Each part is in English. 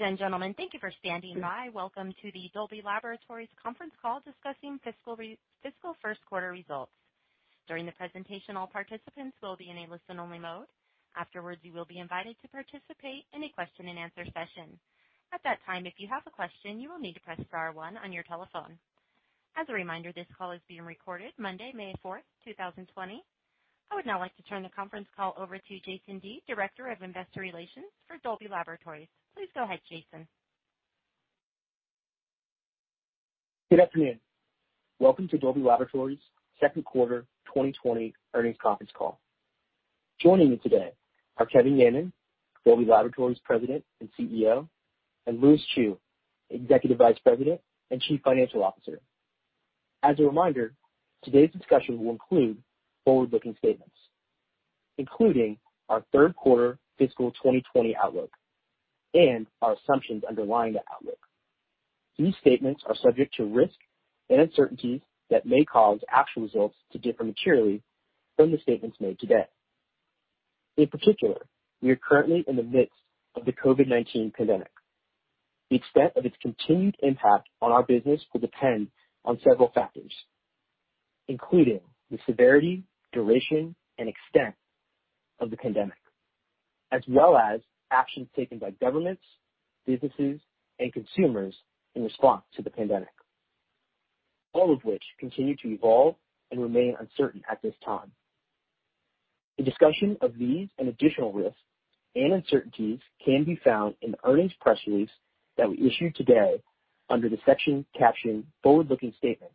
Ladies and gentlemen, thank you for standing by. Welcome to the Dolby Laboratories conference call discussing fiscal first quarter results. During the presentation, all participants will be in a listen-only mode. Afterwards, you will be invited to participate in a question and answer session. At that time, if you have a question, you will need to press star one on your telephone. As a reminder, this call is being recorded Monday, May 4th, 2020. I would now like to turn the conference call over to Jason Dea, Director of Investor Relations for Dolby Laboratories. Please go ahead, Jason. Good afternoon. Welcome to Dolby Laboratories' second quarter 2020 earnings conference call. Joining me today are Kevin Yeaman, Dolby Laboratories President and CEO, and Lewis Chew, Executive Vice President and Chief Financial Officer. As a reminder, today's discussion will include forward-looking statements, including our third quarter fiscal 2020 outlook and our assumptions underlying that outlook. These statements are subject to risk and uncertainties that may cause actual results to differ materially from the statements made today. In particular, we are currently in the midst of the COVID-19 pandemic. The extent of its continued impact on our business will depend on several factors, including the severity, duration, and extent of the pandemic, as well as actions taken by governments, businesses, and consumers in response to the pandemic, all of which continue to evolve and remain uncertain at this time. A discussion of these and additional risks and uncertainties can be found in the earnings press release that we issued today under the section captioned Forward-Looking Statements,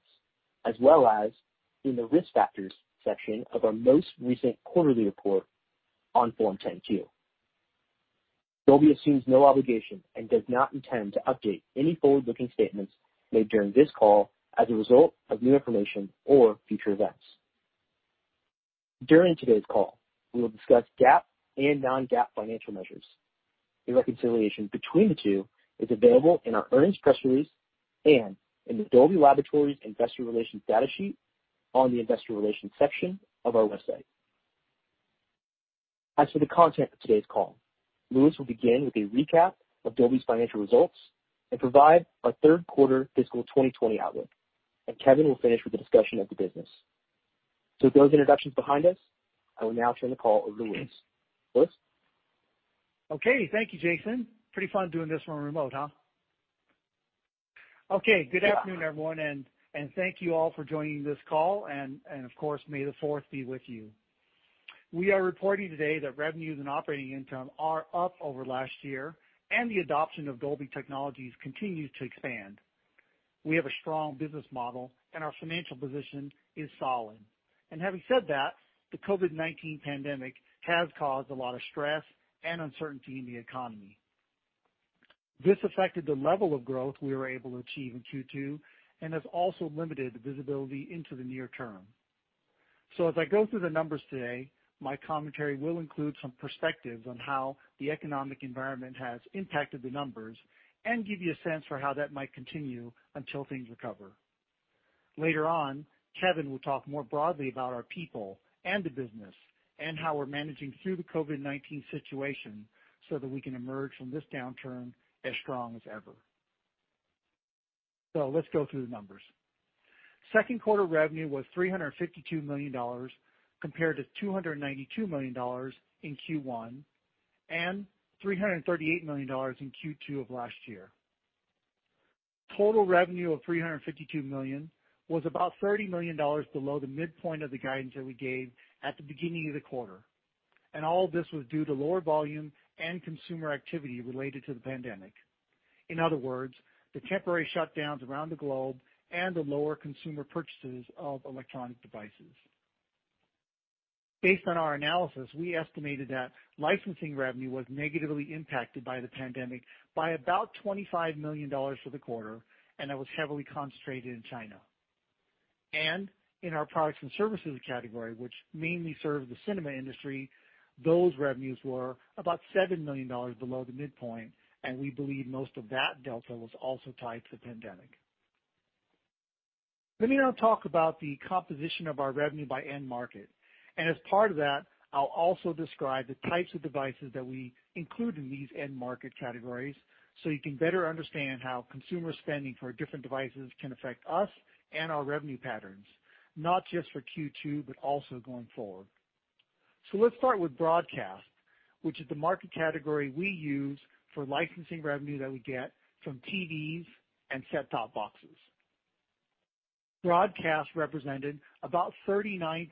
as well as in the Risk Factors section of our most recent quarterly report on Form 10-Q. Dolby assumes no obligation and does not intend to update any forward-looking statements made during this call as a result of new information or future events. During today's call, we will discuss GAAP and non-GAAP financial measures. A reconciliation between the two is available in our earnings press release and in the Dolby Laboratories Investor Relations data sheet on the investor relations section of our website. As for the content of today's call, Lewis will begin with a recap of Dolby's financial results and provide our third quarter fiscal 2020 outlook, and Kevin will finish with a discussion of the business. With those introductions behind us, I will now turn the call over to Lewis. Lewis? Okay. Thank you, Jason. Pretty fun doing this one remote, huh? Okay, good afternoon, everyone. Thank you all for joining this call. Of course, may the fourth be with you. We are reporting today that revenues and operating income are up over last year. The adoption of Dolby technologies continues to expand. We have a strong business model. Our financial position is solid. Having said that, the COVID-19 pandemic has caused a lot of stress and uncertainty in the economy. This affected the level of growth we were able to achieve in Q2. Has also limited visibility into the near term. As I go through the numbers today, my commentary will include some perspectives on how the economic environment has impacted the numbers. Give you a sense for how that might continue until things recover. Later on, Kevin will talk more broadly about our people and the business and how we're managing through the COVID-19 situation so that we can emerge from this downturn as strong as ever. Let's go through the numbers. Second quarter revenue was $352 million, compared to $292 million in Q1 and $338 million in Q2 of last year. Total revenue of $352 million was about $30 million below the midpoint of the guidance that we gave at the beginning of the quarter. All of this was due to lower volume and consumer activity related to the pandemic. In other words, the temporary shutdowns around the globe and the lower consumer purchases of electronic devices. Based on our analysis, we estimated that licensing revenue was negatively impacted by the pandemic by about $25 million for the quarter, and that was heavily concentrated in China. In our products and services category, which mainly serves the cinema industry, those revenues were about $7 million below the midpoint, and we believe most of that delta was also tied to the pandemic. Let me now talk about the composition of our revenue by end market, and as part of that, I'll also describe the types of devices that we include in these end market categories so you can better understand how consumer spending for different devices can affect us and our revenue patterns, not just for Q2, but also going forward. Let's start with broadcast, which is the market category we use for licensing revenue that we get from TVs and set-top boxes. Broadcast represented about 39%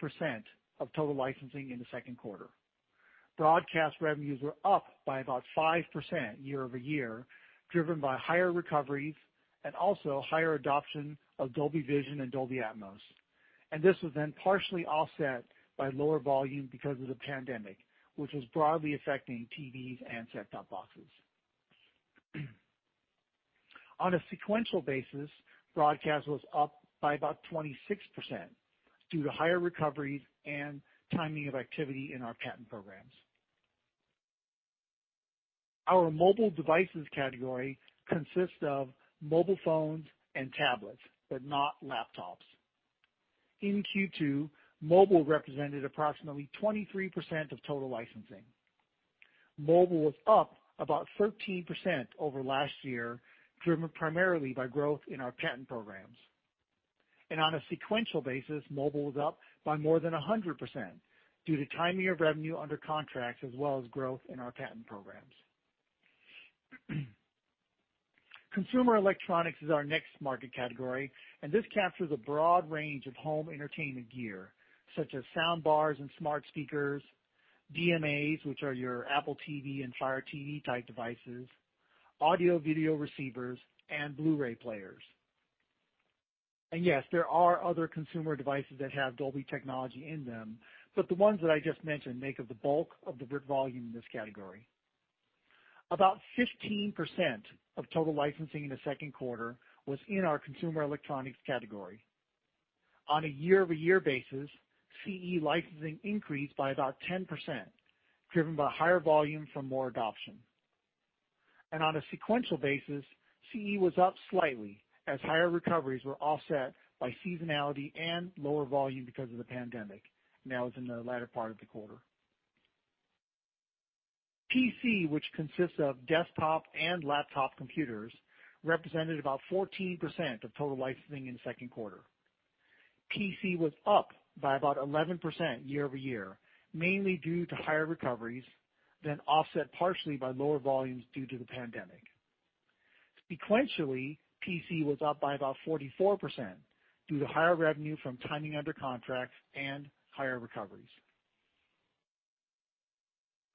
of total licensing in the second quarter. Broadcast revenues were up by about 5% year-over-year, driven by higher recoveries and also higher adoption of Dolby Vision and Dolby Atmos. This was then partially offset by lower volume because of the pandemic, which was broadly affecting TVs and set-top boxes. On a sequential basis, broadcast was up by about 26% due to higher recoveries and timing of activity in our patent programs. Our mobile devices category consists of mobile phones and tablets, but not laptops. In Q2, mobile represented approximately 23% of total licensing. Mobile was up about 13% over last year, driven primarily by growth in our patent programs. On a sequential basis, mobile was up by more than 100% due to timing of revenue under contracts as well as growth in our patent programs. Consumer electronics is our next market category, and this captures a broad range of home entertainment gear such as sound bars and smart speakers, DMAs, which are your Apple TV and Fire TV-type devices, audio/video receivers, and Blu-ray players. Yes, there are other consumer devices that have Dolby technology in them, but the ones that I just mentioned make up the bulk of the volume in this category. About 15% of total licensing in the second quarter was in our consumer electronics category. On a year-over-year basis, CE licensing increased by about 10%, driven by higher volume from more adoption. On a sequential basis, CE was up slightly as higher recoveries were offset by seasonality and lower volume because of the pandemic, and that was in the latter part of the quarter. PC, which consists of desktop and laptop computers, represented about 14% of total licensing in second quarter. PC was up by about 11% year-over-year, mainly due to higher recoveries than offset partially by lower volumes due to the pandemic. Sequentially, PC was up by about 44% due to higher revenue from timing under contracts and higher recoveries.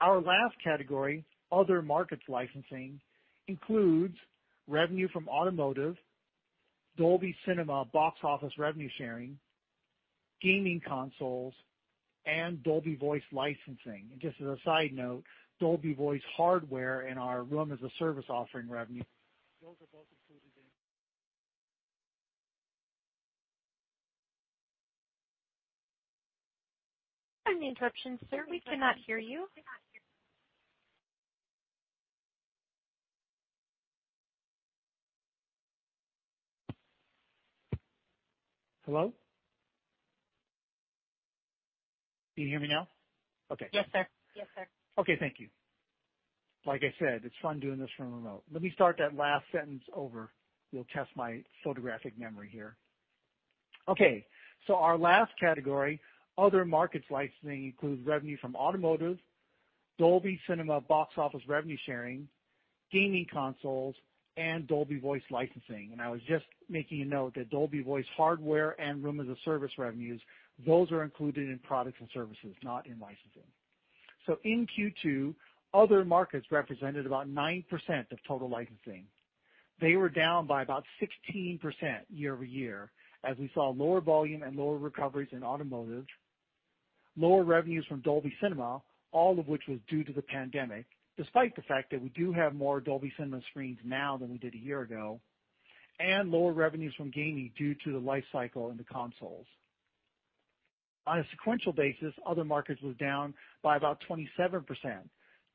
Our last category, other markets licensing, includes revenue from automotive, Dolby Cinema box office revenue sharing, gaming consoles, and Dolby Voice licensing. Just as a side note, Dolby Voice hardware and our room-as-a-service offering revenue, those are both included in. Pardon the interruption, sir. We cannot hear you. Hello? Can you hear me now? Okay. Yes, sir. Okay. Thank you. Like I said, it's fun doing this from remote. Let me start that last sentence over. We'll test my photographic memory here. Okay, our last category, other markets licensing, includes revenue from automotive, Dolby Cinema box office revenue sharing, gaming consoles, and Dolby Voice licensing. I was just making a note that Dolby Voice hardware and Room-as-a-Service revenues, those are included in products and services, not in licensing. In Q2, other markets represented about 9% of total licensing. They were down by about 16% year-over-year, as we saw lower volume and lower recoveries in automotive, lower revenues from Dolby Cinema, all of which was due to the pandemic, despite the fact that we do have more Dolby Cinema screens now than we did a year ago. Lower revenues from gaming due to the life cycle in the consoles. On a sequential basis, other markets was down by about 27%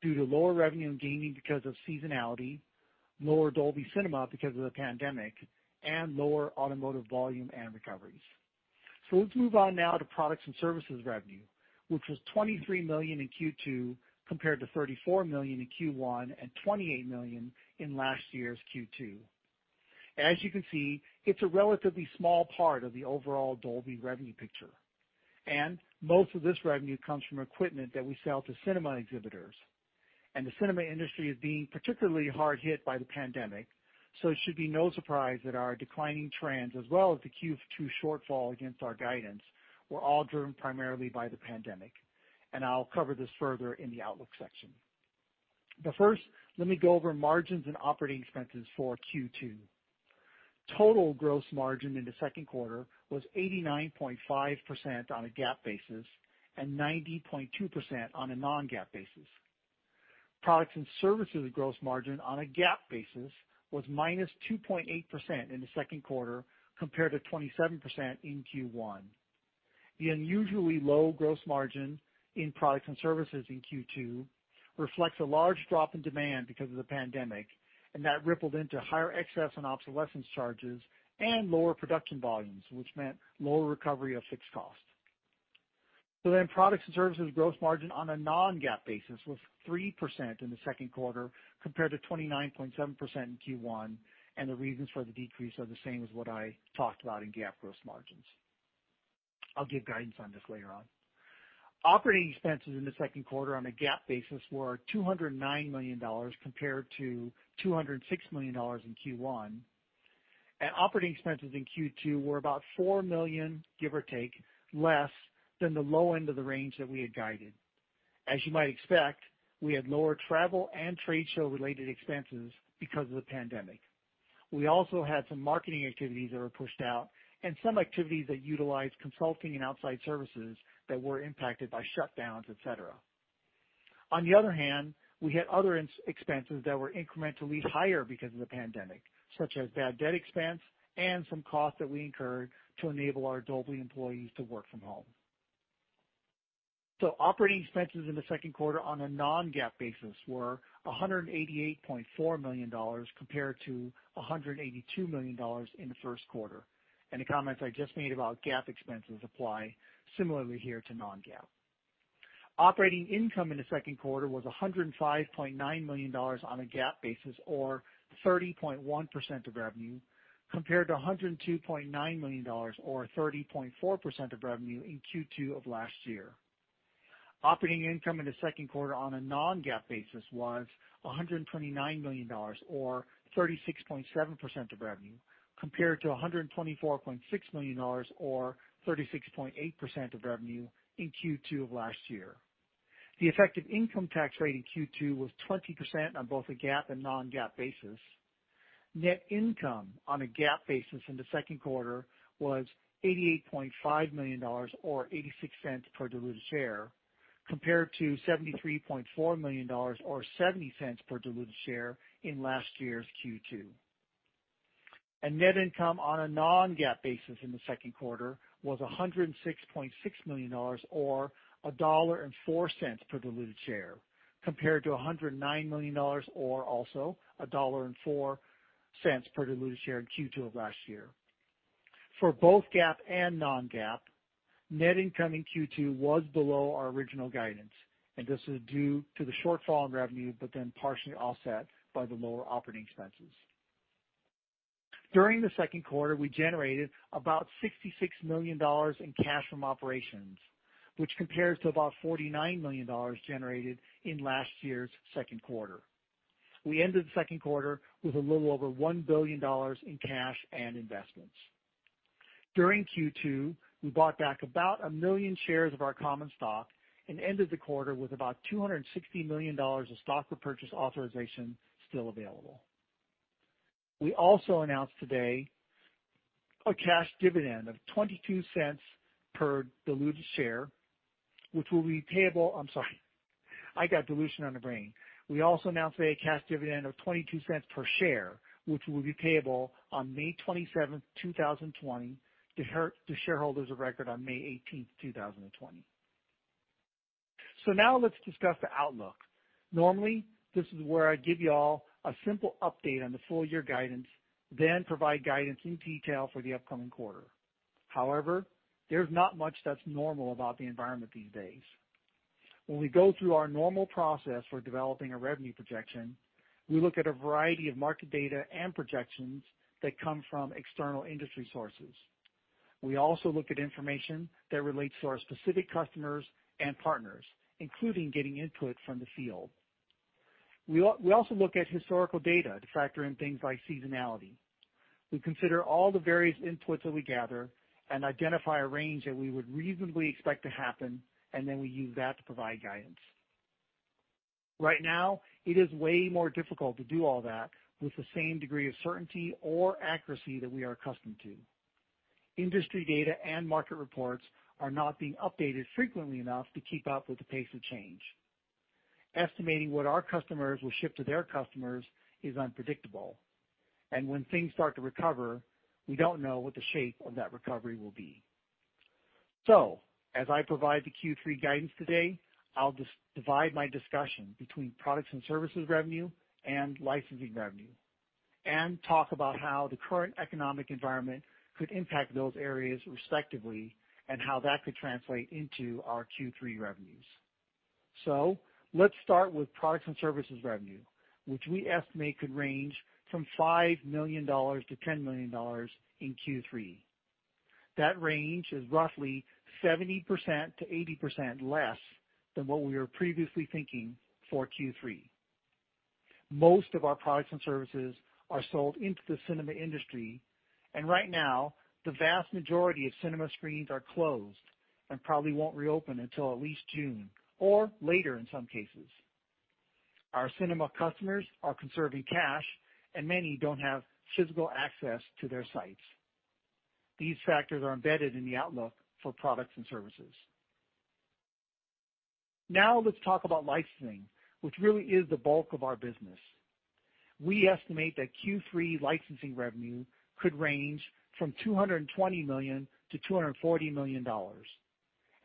due to lower revenue in gaming because of seasonality, lower Dolby Cinema because of the pandemic, and lower automotive volume and recoveries. Let's move on now to products and services revenue, which was $23 million in Q2 compared to $34 million in Q1 and $28 million in last year's Q2. As you can see, it's a relatively small part of the overall Dolby revenue picture, and most of this revenue comes from equipment that we sell to cinema exhibitors. The cinema industry is being particularly hard hit by the pandemic, so it should be no surprise that our declining trends as well as the Q2 shortfall against our guidance were all driven primarily by the pandemic. I'll cover this further in the outlook section. First, let me go over margins and operating expenses for Q2. Total gross margin in the second quarter was 89.5% on a GAAP basis and 90.2% on a non-GAAP basis. Products and services gross margin on a GAAP basis was -2.8% in the second quarter compared to 27% in Q1. The unusually low gross margin in products and services in Q2 reflects a large drop in demand because of the pandemic, and that rippled into higher excess and obsolescence charges and lower production volumes, which meant lower recovery of fixed costs. Products and services gross margin on a non-GAAP basis was 3% in the second quarter compared to 29.7% in Q1. The reasons for the decrease are the same as what I talked about in GAAP gross margins. I'll give guidance on this later on. Operating expenses in the second quarter on a GAAP basis were $209 million compared to $206 million in Q1. Operating expenses in Q2 were about $4 million, give or take, less than the low end of the range that we had guided. As you might expect, we had lower travel and trade show-related expenses because of the pandemic. We also had some marketing activities that were pushed out and some activities that utilized consulting and outside services that were impacted by shutdowns, et cetera. On the other hand, we had other expenses that were incrementally higher because of the pandemic, such as bad debt expense and some costs that we incurred to enable our Dolby employees to work from home. Operating expenses in the second quarter on a non-GAAP basis were $188.4 million compared to $182 million in the first quarter. Any comments I just made about GAAP expenses apply similarly here to non-GAAP. Operating income in the second quarter was $105.9 million on a GAAP basis, or 30.1% of revenue, compared to $102.9 million, or 30.4% of revenue in Q2 of last year. Operating income in the second quarter on a non-GAAP basis was $129 million, or 36.7% of revenue, compared to $124.6 million, or 36.8% of revenue in Q2 of last year. The effective income tax rate in Q2 was 20% on both a GAAP and non-GAAP basis. Net income on a GAAP basis in the second quarter was $88.5 million or $0.86 per diluted share, compared to $73.4 million or $0.70 per diluted share in last year's Q2. Net income on a non-GAAP basis in the second quarter was $106.6 million or $1.04 per diluted share, compared to $109 million or also $1.04 per diluted share in Q2 of last year. For both GAAP and non-GAAP, net income in Q2 was below our original guidance. This is due to the shortfall in revenue, partially offset by the lower operating expenses. During the second quarter, we generated about $66 million in cash from operations, which compares to about $49 million generated in last year's second quarter. We ended the second quarter with a little over $1 billion in cash and investments. During Q2, we bought back about 1 million shares of our common stock and ended the quarter with about $260 million of stock repurchase authorization still available. We also announced today a cash dividend of $0.22 per diluted share, which will be payable. I'm sorry, I got dilution on the brain. We also announced today a cash dividend of $0.22 per share, which will be payable on May 27th, 2020, to shareholders of record on May 18th, 2020. Now let's discuss the outlook. Normally, this is where I give you all a simple update on the full-year guidance, then provide guidance in detail for the upcoming quarter. However, there's not much that's normal about the environment these days. When we go through our normal process for developing a revenue projection, we look at a variety of market data and projections that come from external industry sources. We also look at information that relates to our specific customers and partners, including getting input from the field. We also look at historical data to factor in things like seasonality. We consider all the various inputs that we gather and identify a range that we would reasonably expect to happen, and then we use that to provide guidance. Right now, it is way more difficult to do all that with the same degree of certainty or accuracy that we are accustomed to. Industry data and market reports are not being updated frequently enough to keep up with the pace of change. Estimating what our customers will ship to their customers is unpredictable, and when things start to recover, we don't know what the shape of that recovery will be. As I provide the Q3 guidance today, I'll divide my discussion between products and services revenue and licensing revenue and talk about how the current economic environment could impact those areas respectively, and how that could translate into our Q3 revenues. Let's start with products and services revenue, which we estimate could range from $5 million-$10 million in Q3. That range is roughly 70%-80% less than what we were previously thinking for Q3. Most of our products and services are sold into the cinema industry, and right now, the vast majority of cinema screens are closed and probably won't reopen until at least June or later in some cases. Our cinema customers are conserving cash, and many don't have physical access to their sites. These factors are embedded in the outlook for products and services. Let's talk about licensing, which really is the bulk of our business. We estimate that Q3 licensing revenue could range from $220 million-$240 million,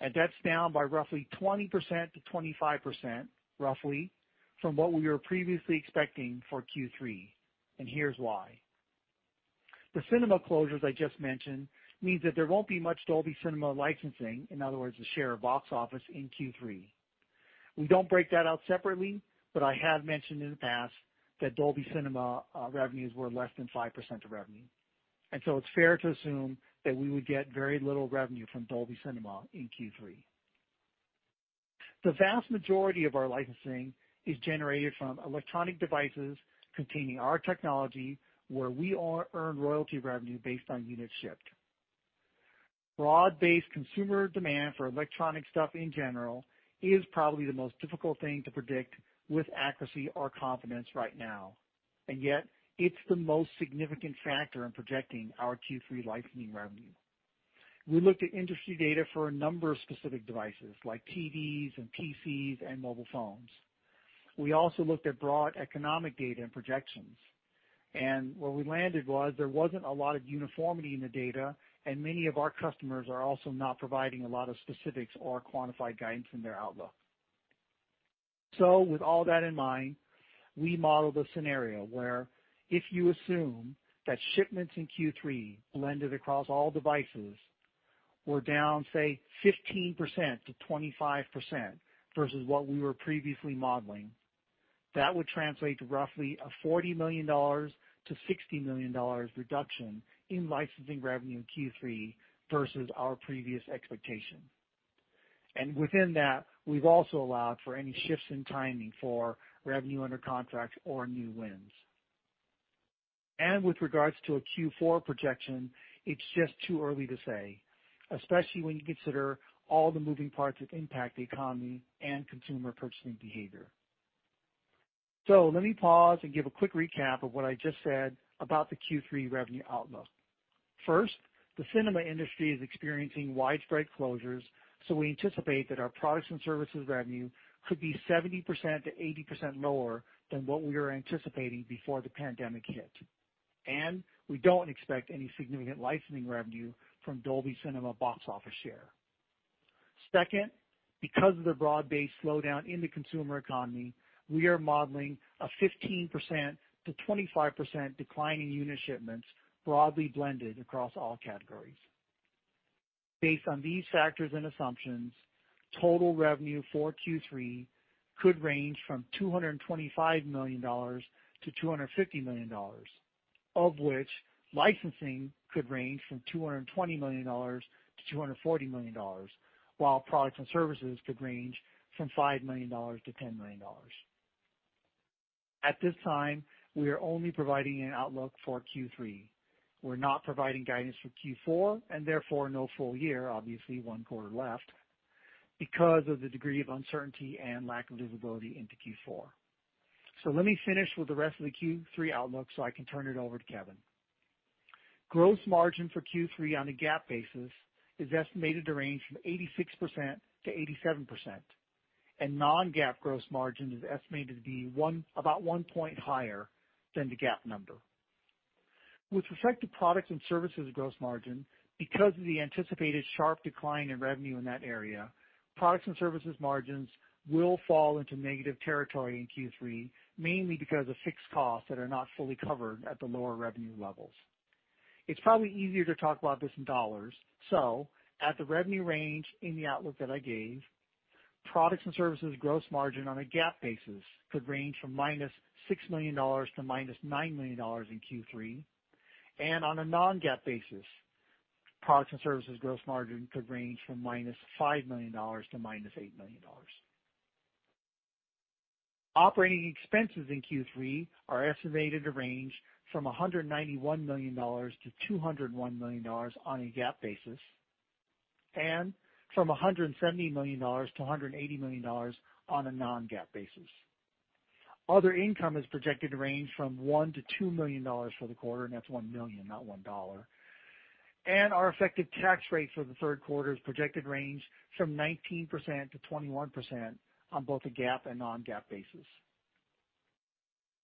and that's down by roughly 20%-25%, roughly, from what we were previously expecting for Q3. Here's why. The cinema closures I just mentioned means that there won't be much Dolby Cinema licensing, in other words, the share of box office in Q3. We don't break that out separately, but I have mentioned in the past that Dolby Cinema revenues were less than 5% of revenue. It's fair to assume that we would get very little revenue from Dolby Cinema in Q3. The vast majority of our licensing is generated from electronic devices containing our technology, where we earn royalty revenue based on units shipped. Broad-based consumer demand for electronic stuff in general is probably the most difficult thing to predict with accuracy or confidence right now, and yet it's the most significant factor in projecting our Q3 licensing revenue. We looked at industry data for a number of specific devices like TVs and PCs and mobile phones. We also looked at broad economic data and projections. Where we landed was there wasn't a lot of uniformity in the data, and many of our customers are also not providing a lot of specifics or quantified guidance in their outlook. With all that in mind, we modeled a scenario where if you assume that shipments in Q3 blended across all devices were down, say 15%-25% versus what we were previously modeling, that would translate to roughly a $40 million-$60 million reduction in licensing revenue in Q3 versus our previous expectation. Within that, we've also allowed for any shifts in timing for revenue under contract or new wins. With regards to a Q4 projection, it's just too early to say, especially when you consider all the moving parts that impact the economy and consumer purchasing behavior. Let me pause and give a quick recap of what I just said about the Q3 revenue outlook. First, the cinema industry is experiencing widespread closures; we anticipate that our products and services revenue could be 70%-80% lower than what we were anticipating before the pandemic hit. We don't expect any significant licensing revenue from Dolby Cinema box office share. Second, because of the broad-based slowdown in the consumer economy, we are modeling a 15%-25% decline in unit shipments broadly blended across all categories. Based on these factors and assumptions, total revenue for Q3 could range from $225 million-$250 million, of which licensing could range from $220 million-$240 million, while products and services could range from $5 million-$10 million. At this time, we are only providing an outlook for Q3. We're not providing guidance for Q4, and therefore no full year, obviously one quarter left, because of the degree of uncertainty and lack of visibility into Q4. Let me finish with the rest of the Q3 outlook so I can turn it over to Kevin. Gross margin for Q3 on a GAAP basis is estimated to range from 86%-87%, and non-GAAP gross margin is estimated to be about one point higher than the GAAP number. With respect to products and services gross margin, because of the anticipated sharp decline in revenue in that area, products and services margins will fall into negative territory in Q3, mainly because of fixed costs that are not fully covered at the lower revenue levels. It's probably easier to talk about this in dollars. At the revenue range in the outlook that I gave, products and services gross margin on a GAAP basis could range from -$6 million to -$9 million in Q3, and on a non-GAAP basis, products and services gross margin could range from -$5 million to -$8 million. Operating expenses in Q3 are estimated to range from $191 million-$201 million on a GAAP basis, and from $170 million-$180 million on a non-GAAP basis. Other income is projected to range from $1 million-$2 million for the quarter, and that's $1 million, not $1. Our effective tax rate for the third quarter is projected range from 19%-21% on both a GAAP and non-GAAP basis.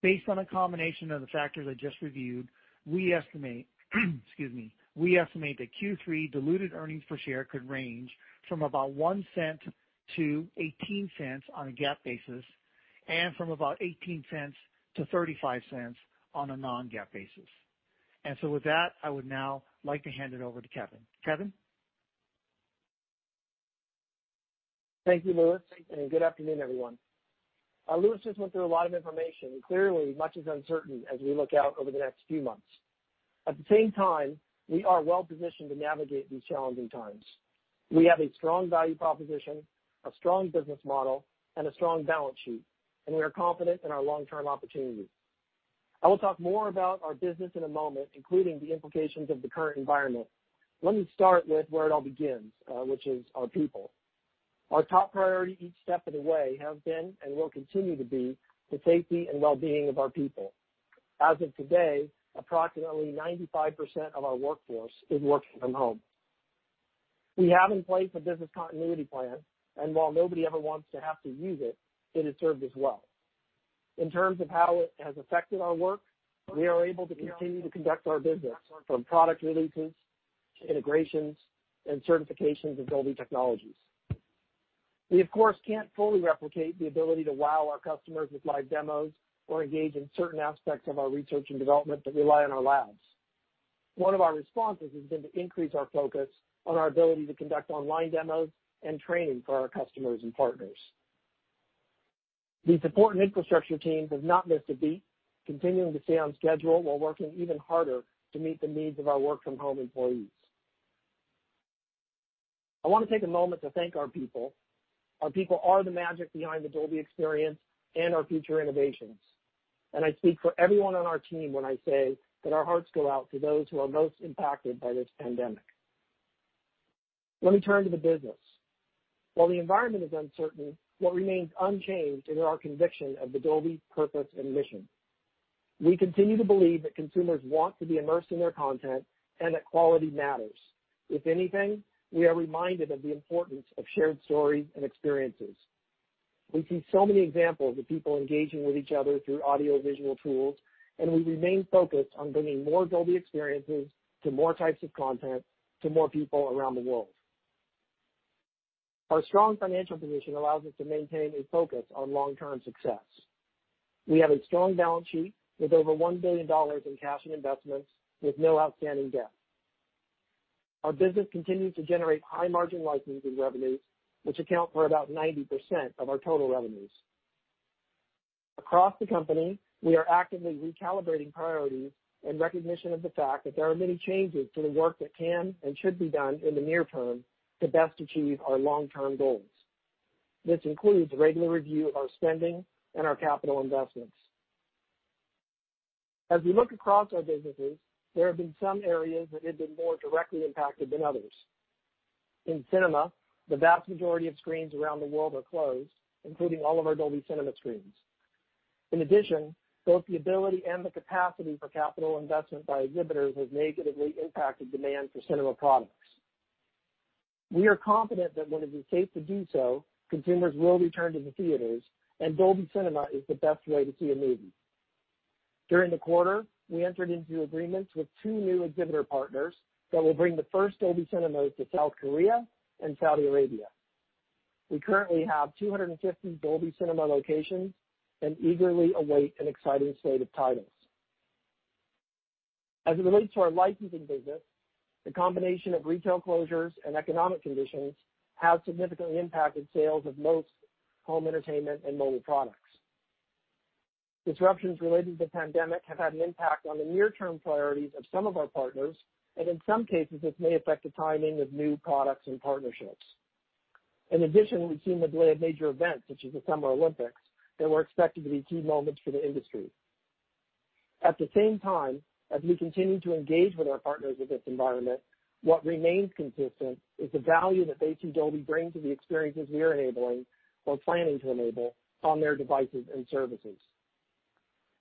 Based on a combination of the factors I just reviewed, we estimate that Q3 diluted earnings per share could range from about $0.01-$0.18 on a GAAP basis, and from about $0.18-$0.35 on a non-GAAP basis. With that, I would now like to hand it over to Kevin. Kevin? Thank you, Lewis, and good afternoon, everyone. Lewis just went through a lot of information. Clearly, much is uncertain as we look out over the next few months. At the same time, we are well positioned to navigate these challenging times. We have a strong value proposition, a strong business model, and a strong balance sheet, and we are confident in our long-term opportunity. I will talk more about our business in a moment, including the implications of the current environment. Let me start with where it all begins, which is our people. Our top priority each step of the way have been and will continue to be the safety and well-being of our people. As of today, approximately 95% of our workforce is working from home. We have in place a business continuity plan, and while nobody ever wants to have to use it has served us well. In terms of how it has affected our work, we are able to continue to conduct our business from product releases to integrations and certifications of Dolby technologies. We, of course, can't fully replicate the ability to wow our customers with live demos or engage in certain aspects of our research and development that rely on our labs. One of our responses has been to increase our focus on our ability to conduct online demos and training for our customers and partners. The support and infrastructure teams have not missed a beat, continuing to stay on schedule while working even harder to meet the needs of our work-from-home employees. I want to take a moment to thank our people. Our people are the magic behind the Dolby experience and our future innovations. I speak for everyone on our team when I say that our hearts go out to those who are most impacted by this pandemic. Let me turn to the business. While the environment is uncertain, what remains unchanged is our conviction of the Dolby purpose and mission. We continue to believe that consumers want to be immersed in their content and that quality matters. If anything, we are reminded of the importance of shared stories and experiences. We see so many examples of people engaging with each other through audiovisual tools, and we remain focused on bringing more Dolby experiences to more types of content to more people around the world. Our strong financial position allows us to maintain a focus on long-term success. We have a strong balance sheet with over $1 billion in cash and investments, with no outstanding debt. Our business continues to generate high margin licensing revenues, which account for about 90% of our total revenues. Across the company, we are actively recalibrating priorities in recognition of the fact that there are many changes to the work that can and should be done in the near term to best achieve our long-term goals. This includes regular review of our spending and our capital investments. As we look across our businesses, there have been some areas that have been more directly impacted than others. In cinema, the vast majority of screens around the world are closed, including all of our Dolby Cinema screens. In addition, both the ability and the capacity for capital investment by exhibitors has negatively impacted demand for cinema products. We are confident that when it is safe to do so, consumers will return to the theaters, and Dolby Cinema is the best way to see a movie. During the quarter, we entered into agreements with two new exhibitor partners that will bring the first Dolby Cinemas to South Korea and Saudi Arabia. We currently have 250 Dolby Cinema locations and eagerly await an exciting slate of titles. As it relates to our licensing business, the combination of retail closures and economic conditions have significantly impacted sales of most home entertainment and mobile products. Disruptions related to the pandemic have had an impact on the near-term priorities of some of our partners, and in some cases, this may affect the timing of new products and partnerships. In addition, we've seen the delay of major events such as the Summer Olympics that were expected to be key moments for the industry. At the same time, as we continue to engage with our partners in this environment, what remains consistent is the value that they see Dolby bring to the experiences we are enabling or planning to enable on their devices and services.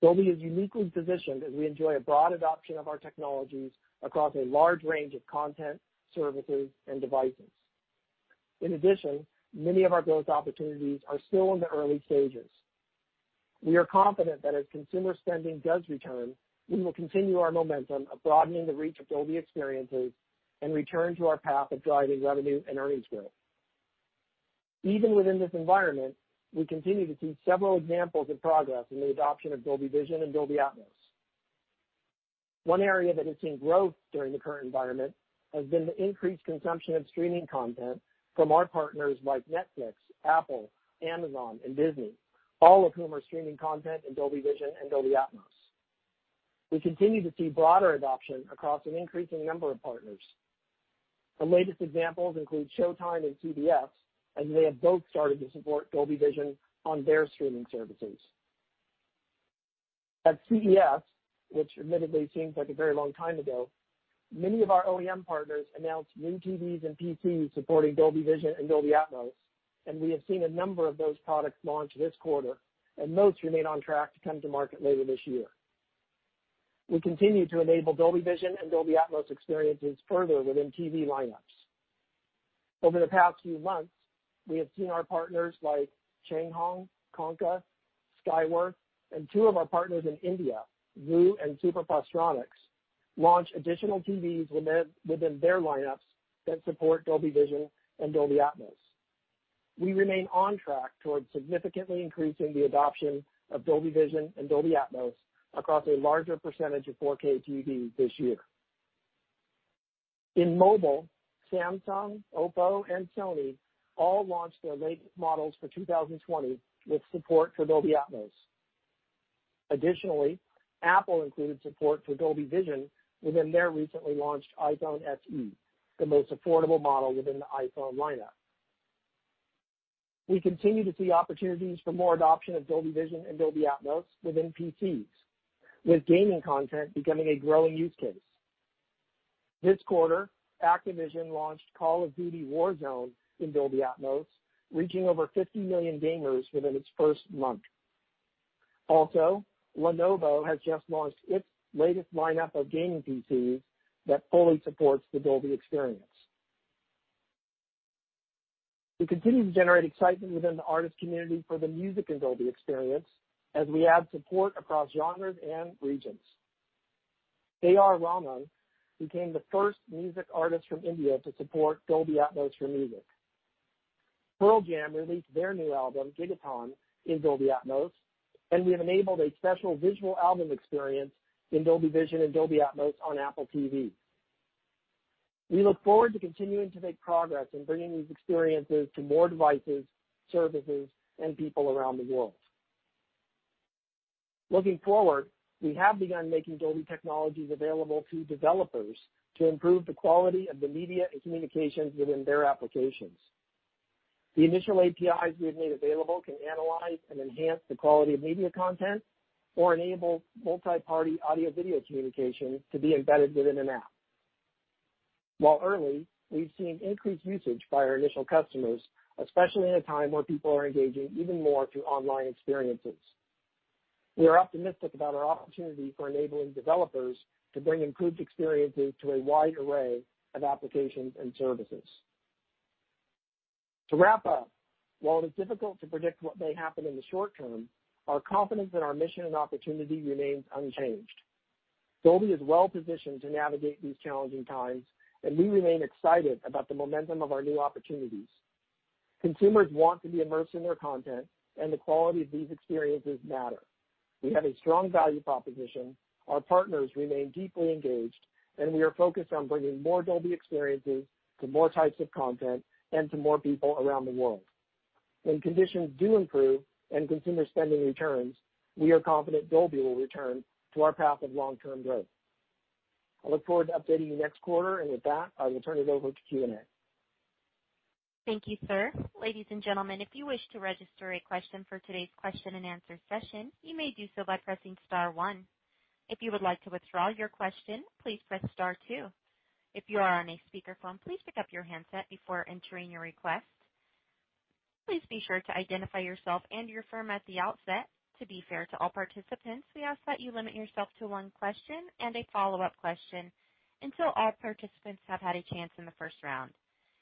Dolby is uniquely positioned as we enjoy a broad adoption of our technologies across a large range of content, services, and devices. In addition, many of our growth opportunities are still in the early stages. We are confident that as consumer spending does return, we will continue our momentum of broadening the reach of Dolby experiences and return to our path of driving revenue and earnings growth. Even within this environment, we continue to see several examples of progress in the adoption of Dolby Vision and Dolby Atmos. One area that has seen growth during the current environment has been the increased consumption of streaming content from our partners like Netflix, Apple, Amazon, and Disney, all of whom are streaming content in Dolby Vision and Dolby Atmos. We continue to see broader adoption across an increasing number of partners. The latest examples include Showtime and CBS, as they have both started to support Dolby Vision on their streaming services. At CES, which admittedly seems like a very long time ago, many of our OEM partners announced new TVs and PCs supporting Dolby Vision and Dolby Atmos, and we have seen a number of those products launch this quarter, and most remain on track to come to market later this year. We continue to enable Dolby Vision and Dolby Atmos experiences further within TV lineups. Over the past few months, we have seen our partners like Changhong, KONKA, Skyworth, and two of our partners in India, Vu and Super Plastronics, launch additional TVs within their lineups that support Dolby Vision and Dolby Atmos. We remain on track towards significantly increasing the adoption of Dolby Vision and Dolby Atmos across a larger percentage of 4K TVs this year. In mobile, Samsung, OPPO, and Sony all launched their latest models for 2020 with support for Dolby Atmos. Additionally, Apple included support for Dolby Vision within their recently launched iPhone SE, the most affordable model within the iPhone lineup. We continue to see opportunities for more adoption of Dolby Vision and Dolby Atmos within PCs, with gaming content becoming a growing use case. This quarter, Activision launched Call of Duty: Warzone in Dolby Atmos, reaching over 50 million gamers within its first month. Also, Lenovo has just launched its latest lineup of gaming PCs that fully supports the Dolby experience. We continue to generate excitement within the artist community for the music in Dolby experience as we add support across genres and regions. A. R. Rahman became the first music artist from India to support Dolby Atmos for music. Pearl Jam released their new album, Gigaton, in Dolby Atmos, and we have enabled a special visual album experience in Dolby Vision and Dolby Atmos on Apple TV. We look forward to continuing to make progress in bringing these experiences to more devices, services, and people around the world. Looking forward, we have begun making Dolby technologies available to developers to improve the quality of the media and communications within their applications. The initial APIs we have made available can analyze and enhance the quality of media content or enable multi-party audio-video communication to be embedded within an app. While early, we've seen increased usage by our initial customers, especially in a time where people are engaging even more through online experiences. We are optimistic about our opportunity for enabling developers to bring improved experiences to a wide array of applications and services. To wrap up, while it is difficult to predict what may happen in the short term, our confidence in our mission and opportunity remains unchanged. Dolby is well-positioned to navigate these challenging times, and we remain excited about the momentum of our new opportunities. Consumers want to be immersed in their content, and the quality of these experiences matter. We have a strong value proposition. Our partners remain deeply engaged, and we are focused on bringing more Dolby experiences to more types of content and to more people around the world. When conditions do improve and consumer spending returns, we are confident Dolby will return to our path of long-term growth. I look forward to updating you next quarter, and with that, I will turn it over to Q&A. Thank you, sir. Ladies and gentlemen, if you wish to register a question for today's question and answer session, you may do so by pressing star one. If you would like to withdraw your question, please press star two. If you are on a speakerphone, please pick up your handset before entering your request. Please be sure to identify yourself and your firm at the outset. To be fair to all participants, we ask that you limit yourself to one question and a follow-up question until all participants have had a chance in the first round.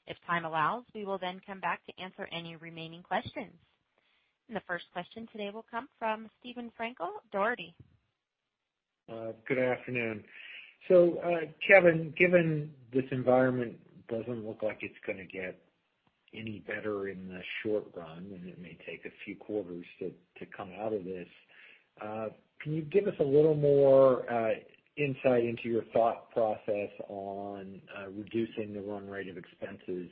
If time allows, we will then come back to answer any remaining questions. The first question today will come from Steven Frankel, Dougherty. Good afternoon. Kevin, given this environment doesn't look like it's going to get any better in the short run, and it may take a few quarters to come out of this, can you give us a little more insight into your thought process on reducing the run rate of expenses?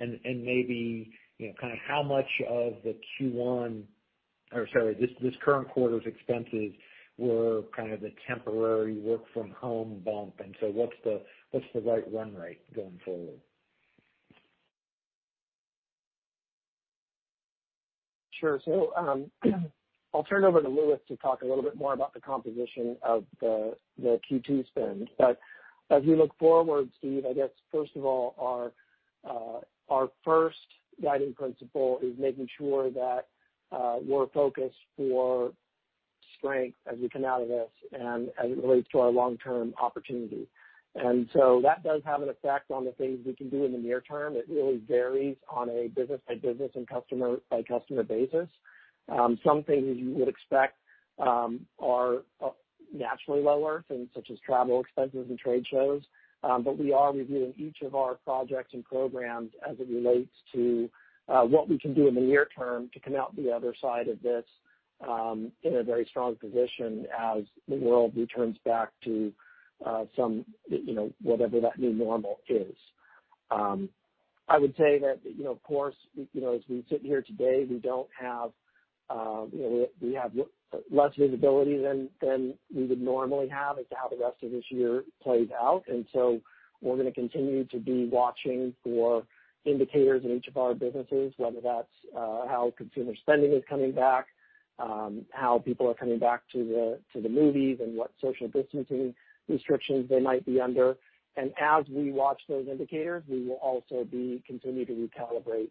Maybe how much of this current quarter's expenses were the temporary work from home bump, what's the right run rate going forward? Sure. I'll turn it over to Lewis to talk a little bit more about the composition of the Q2 spend. As we look forward, Steven, I guess first of all, our first guiding principle is making sure that we're focused for strength as we come out of this and as it relates to our long-term opportunity. That does have an effect on the things we can do in the near term. It really varies on a business-by-business and customer-by-customer basis. Some things you would expect are naturally lower, such as travel expenses and trade shows. We are reviewing each of our projects and programs as it relates to what we can do in the near term to come out the other side of this in a very strong position as the world returns back to whatever that new normal is. I would say that, of course, as we sit here today, we have less visibility than we would normally have as to how the rest of this year plays out. We're going to continue to be watching for indicators in each of our businesses, whether that's how consumer spending is coming back, how people are coming back to the movies, and what social distancing restrictions they might be under. As we watch those indicators, we will also be continuing to recalibrate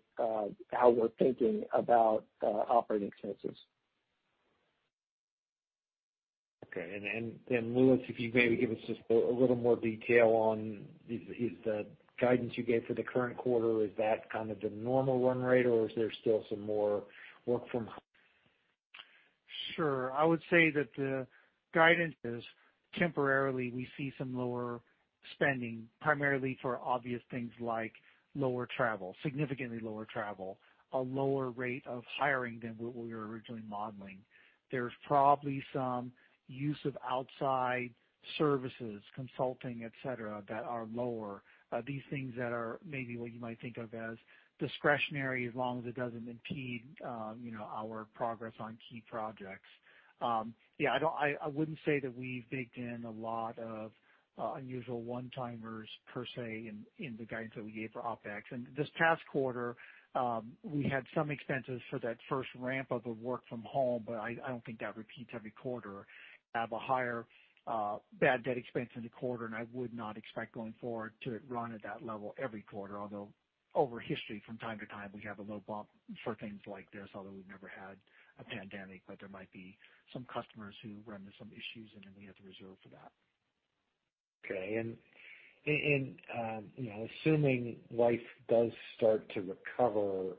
how we're thinking about operating expenses. Okay. Lewis, if you could maybe give us just a little more detail on the guidance you gave for the current quarter. Is that kind of the normal run rate, or is there still some more work from home? Sure. I would say that the guidance is temporarily we see some lower spending, primarily for obvious things like lower travel, significantly lower travel. A lower rate of hiring than what we were originally modeling. There's probably some use of outside services, consulting, et cetera, that are lower. These things that are maybe what you might think of as discretionary, as long as it doesn't impede our progress on key projects. Yeah, I wouldn't say that we've baked in a lot of unusual one-timers per se in the guidance that we gave for OpEx. This past quarter, we had some expenses for that first ramp of the work from home, but I don't think that repeats every quarter. We have a higher bad debt expense in the quarter, and I would not expect going forward to run at that level every quarter, although over history from time to time, we have a little bump for things like this, although we've never had a pandemic. There might be some customers who run into some issues, and then we have to reserve for that. Okay. Assuming life does start to recover,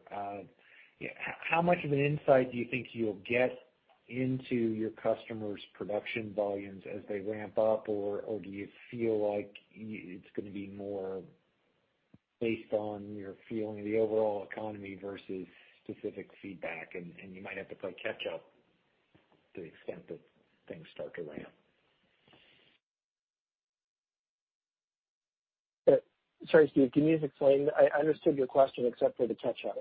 how much of an insight do you think you'll get into your customers' production volumes as they ramp up, or do you feel like it's going to be more based on your feeling of the overall economy versus specific feedback, and you might have to play catch up to the extent that things start to ramp? Sorry, Steven, can you just explain? I understood your question, except for the catch up.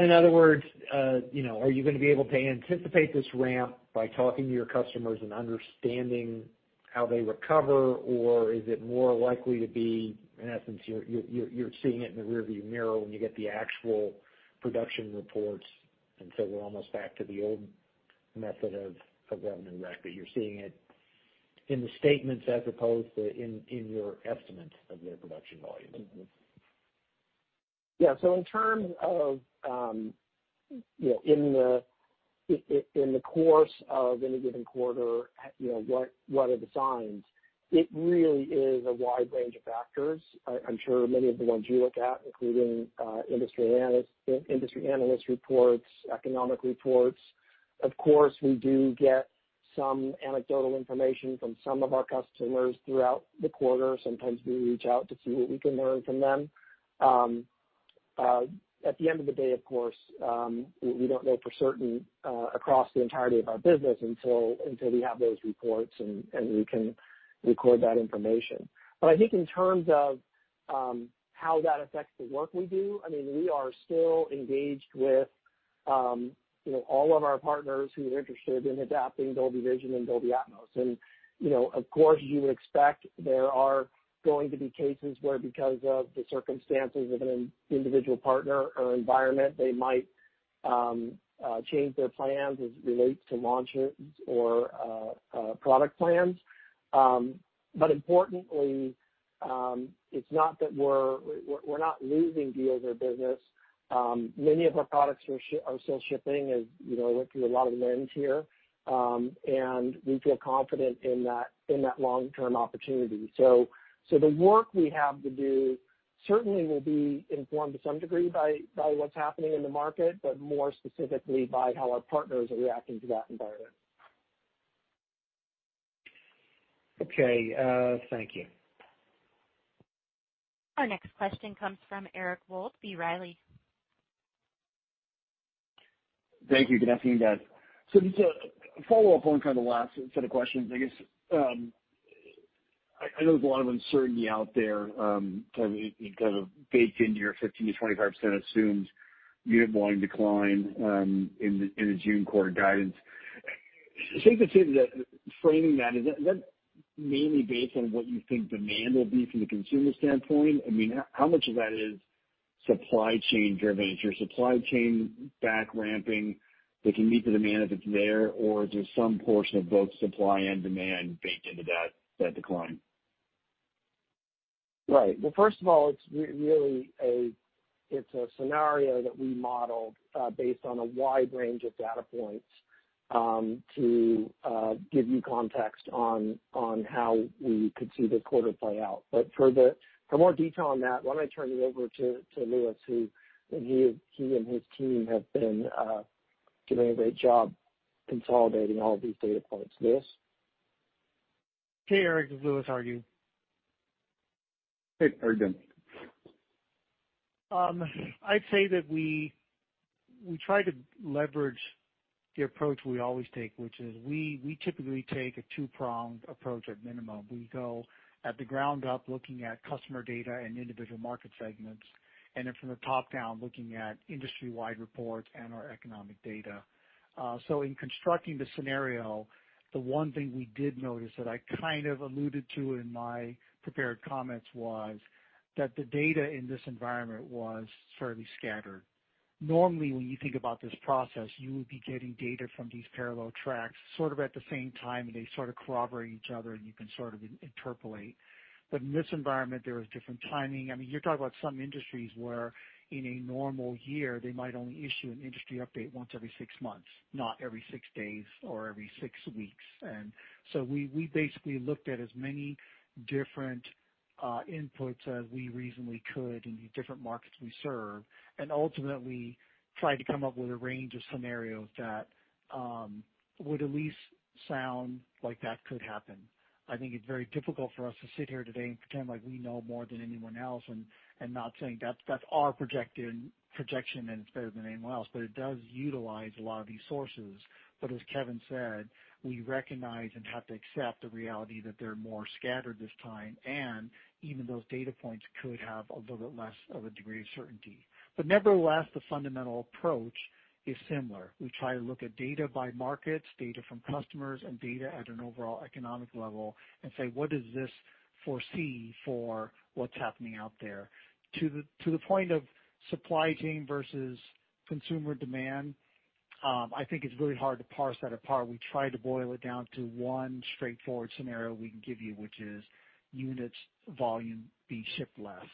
In other words, are you going to be able to anticipate this ramp by talking to your customers and understanding how they recover, or is it more likely to be, in essence, you're seeing it in the rear view mirror when you get the actual production reports, and so we're almost back to the old method of revenue rec, but you're seeing it in the statements as opposed to in your estimate of their production volume? Yeah. In terms of in the course of any given quarter, what are the signs? It really is a wide range of factors. I'm sure many of the ones you look at, including industry analyst reports, economic reports. Of course, we do get some anecdotal information from some of our customers throughout the quarter. Sometimes we reach out to see what we can learn from them. At the end of the day, of course, we don't know for certain, across the entirety of our business until we have those reports and we can record that information. I think in terms of how that affects the work we do, we are still engaged with all of our partners who are interested in adapting Dolby Vision and Dolby Atmos. Of course, you would expect there are going to be cases where, because of the circumstances of an individual partner or environment, they might change their plans as it relates to launches or product plans. Importantly, we're not losing deals or business. Many of our products are still shipping, as you know, went through a lot of the lens here. We feel confident in that long-term opportunity. The work we have to do certainly will be informed to some degree by what's happening in the market, but more specifically by how our partners are reacting to that environment. Okay. Thank you. Our next question comes from Eric Wold, B. Riley. Thank you. Good afternoon, guys. Just a follow-up on kind of the last set of questions, I guess. I know there's a lot of uncertainty out there, kind of baked into your 15%-25% assumed unit volume decline in the June quarter guidance. Safe to say that framing that, is that mainly based on what you think demand will be from the consumer standpoint? How much of that is supply chain driven? Is your supply chain back ramping that can meet the demand if it's there, or is there some portion of both supply and demand baked into that decline? Right. Well, first of all, it's a scenario that we modeled based on a wide range of data points, to give you context on how we could see the quarter play out. For more detail on that, why don't I turn it over to Lewis, he and his team have been doing a great job consolidating all of these data points. Lewis? Hey, Eric. This is Lewis. How are you? Hey, I'm good. I'd say that we try to leverage the approach we always take, which is we typically take a two-pronged approach at minimum. We go at the ground up looking at customer data and individual market segments, and then from the top down, looking at industry-wide reports and our economic data. In constructing the scenario, the one thing we did notice that I kind of alluded to in my prepared comments was that the data in this environment was fairly scattered. Normally, when you think about this process, you would be getting data from these parallel tracks sort of at the same time, and they sort of corroborate each other and you can sort of interpolate. In this environment, there is different timing. You're talking about some industries where in a normal year, they might only issue an industry update once every six months, not every six days or every six weeks. We basically looked at as many different inputs as we reasonably could in the different markets we serve, and ultimately tried to come up with a range of scenarios that would at least sound like that could happen. I think it's very difficult for us to sit here today and pretend like we know more than anyone else and not saying that's our projection and it's better than anyone else, but it does utilize a lot of these sources. As Kevin said, we recognize and have to accept the reality that they're more scattered this time, and even those data points could have a little bit less of a degree of certainty. Nevertheless, the fundamental approach is similar. We try to look at data by markets, data from customers, and data at an overall economic level and say, "What does this foresee for what's happening out there?" To the point of supply chain versus consumer demand, I think it's really hard to parse that apart. We try to boil it down to one straightforward scenario we can give you, which is units volume be shipped less.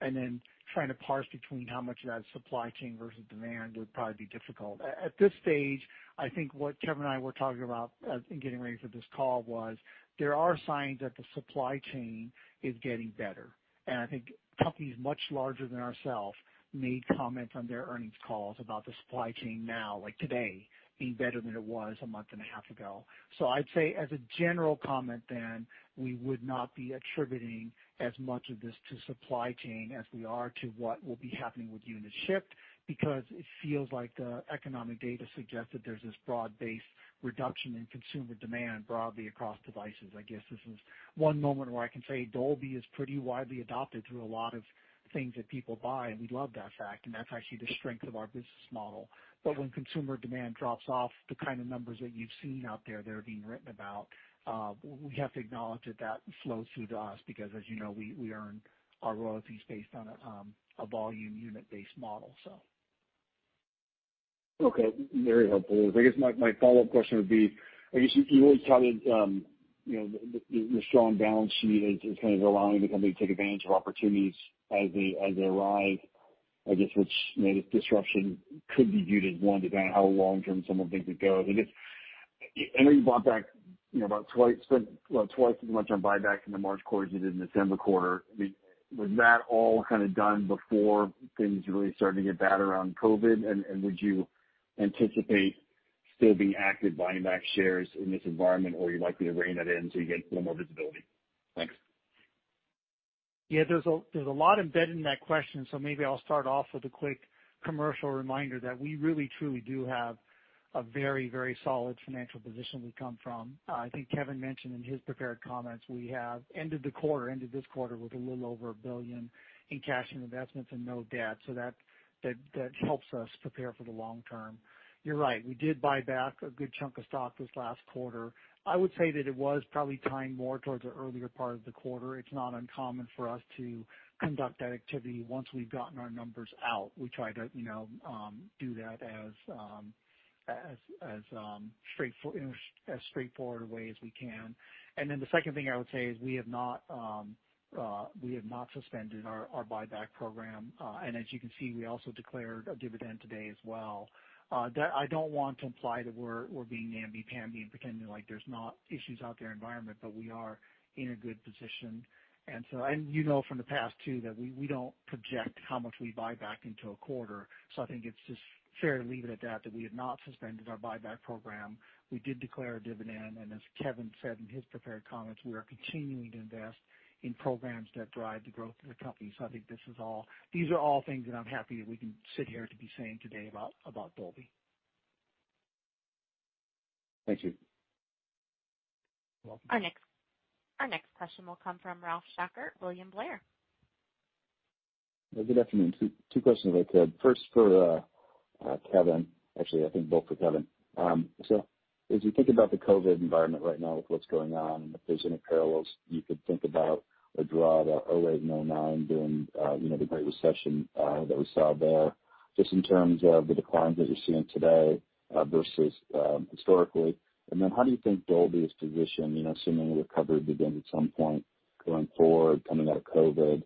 Then trying to parse between how much of that is supply chain versus demand would probably be difficult. At this stage, I think what Kevin and I were talking about in getting ready for this call was there are signs that the supply chain is getting better. I think companies much larger than ourselves made comments on their earnings calls about the supply chain now, like today, being better than it was a month and a half ago. I'd say as a general comment then, we would not be attributing as much of this to supply chain as we are to what will be happening with units shipped, because it feels like the economic data suggests that there's this broad-based reduction in consumer demand broadly across devices. I guess this is one moment where I can say Dolby is pretty widely adopted through a lot of things that people buy, and we love that fact, and that's actually the strength of our business model. When consumer demand drops off the kind of numbers that you've seen out there that are being written about, we have to acknowledge that that flows through to us because as you know, we earn our royalties based on a volume unit-based model. Okay. Very helpful. I guess my follow-up question would be, you always touted the strong balance sheet as kind of allowing the company to take advantage of opportunities as they arrive, which this disruption could be viewed as one, depending on how long-term someone thinks it goes. I know you spent about twice as much on buyback in the March quarter as you did in the December quarter. Was that all kind of done before things really started to get bad around COVID-19? Would you anticipate still being active buying back shares in this environment, or are you likely to rein that in so you get a little more visibility? Thanks. Yeah, there's a lot embedded in that question, so maybe I'll start off with a quick commercial reminder that we really truly do have a very solid financial position we come from. I think Kevin mentioned in his prepared comments, we have ended this quarter with a little over $1 billion in cash and investments and no debt. That helps us prepare for the long term. You're right. We did buy back a good chunk of stock this last quarter. I would say that it was probably timed more towards the earlier part of the quarter. It's not uncommon for us to conduct that activity once we've gotten our numbers out. We try to do that as straightforward a way as we can. The second thing I would say is we have not suspended our buyback program. As you can see, we also declared a dividend today as well. I don't want to imply that we're being namby-pamby and pretending like there's not issues out there environment, but we are in a good position. You know from the past, too, that we don't project how much we buy back into a quarter. I think it's just fair to leave it at that we have not suspended our buyback program. We did declare a dividend, and as Kevin said in his prepared comments, we are continuing to invest in programs that drive the growth of the company. I think these are all things that I'm happy that we can sit here to be saying today about Dolby. Thank you. You're welcome. Our next question will come from Ralph Schackart, William Blair. Good afternoon. Two questions if I could. First for Kevin. Actually, I think both for Kevin. As you think about the COVID environment right now with what's going on and if there's any parallels you could think about or draw to 2008 and 2009 during The Great Recession that we saw there, just in terms of the declines that you're seeing today versus historically. How do you think Dolby is positioned assuming a recovery begins at some point going forward coming out of COVID,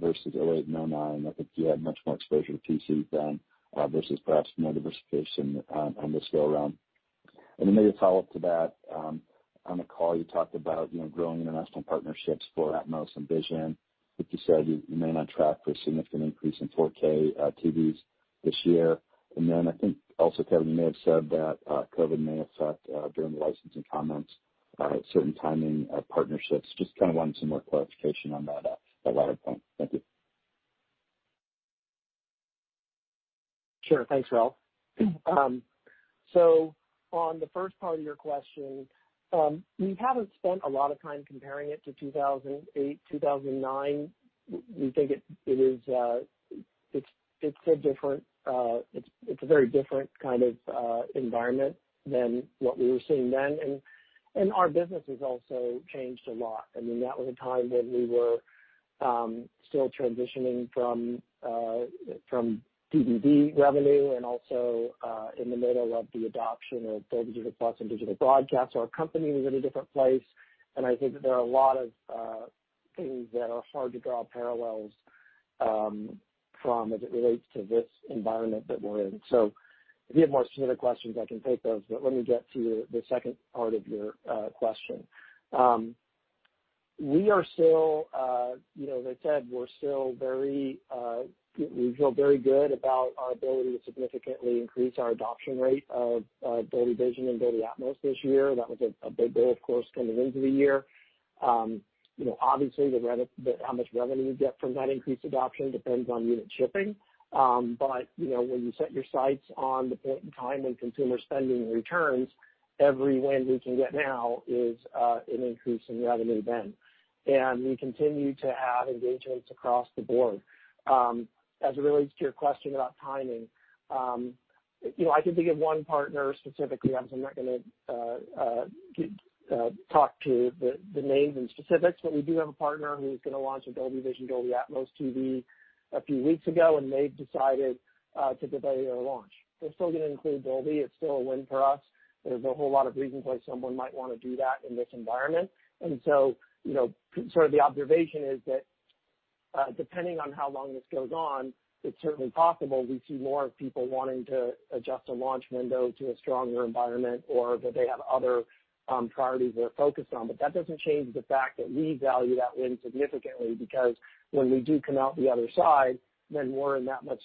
versus 2008 and 2009? I think you had much more exposure to PCs then versus perhaps more diversification on this go around. Maybe a follow-up to that. On the call you talked about growing international partnerships for Atmos and Vision. I think you said you remain on track for a significant increase in 4K TVs this year. I think also, Kevin, you may have said that COVID may affect, during the licensing comments, certain timing of partnerships. Just kind of wanted some more clarification on that latter point. Thank you. Sure. Thanks, Ralph. On the first part of your question, we haven't spent a lot of time comparing it to 2008, 2009. We think it's a very different kind of environment than what we were seeing then. Our business has also changed a lot. That was a time when we were still transitioning from DVD revenue and also in the middle of the adoption of both Dolby Digital Plus and digital broadcast. Our company was in a different place, and I think that there are a lot of things that are hard to draw parallels from as it relates to this environment that we're in. If you have more specific questions, I can take those, but let me get to the second part of your question. As I said, we feel very good about our ability to significantly increase our adoption rate of Dolby Vision and Dolby Atmos this year. That was a big goal, of course, coming into the year. Obviously, how much revenue you get from that increased adoption depends on unit shipping. When you set your sights on the point in time when consumer spending returns, every win we can get now is an increase in revenue then. We continue to have engagements across the board. As it relates to your question about timing, I can think of one partner specifically. Obviously, I'm not going to talk to the names and specifics, but we do have a partner who was going to launch a Dolby Vision, Dolby Atmos TV a few weeks ago, and they've decided to delay their launch. They're still going to include Dolby. It's still a win for us. There's a whole lot of reasons why someone might want to do that in this environment. The observation is that depending on how long this goes on, it's certainly possible we see more people wanting to adjust a launch window to a stronger environment or that they have other priorities they're focused on. That doesn't change the fact that we value that win significantly, because when we do come out the other side, then we're in that much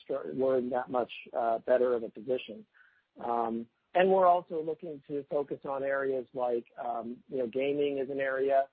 better of a position. We're also looking to focus on areas like gaming is an area.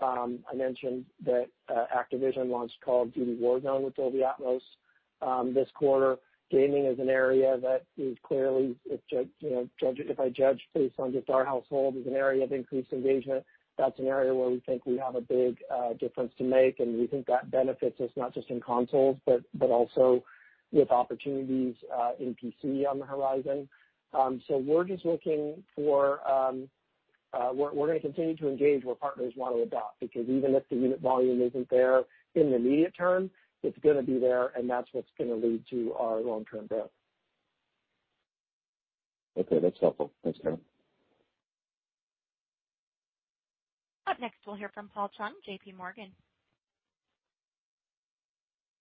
I mentioned that Activision launched Call of Duty: Warzone with Dolby Atmos this quarter. Gaming is an area that is clearly, if I judge based on just our household, is an area of increased engagement. That's an area where we think we have a big difference to make, and we think that benefits us not just in consoles, but also with opportunities in PC on the horizon. We're just looking for... We're going to continue to engage where partners want to adopt, because even if the unit volume isn't there in the immediate term, it's going to be there, and that's what's going to lead to our long-term growth. Okay, that's helpful. Thanks, Kevin. Up next, we'll hear from Paul Chung, JPMorgan.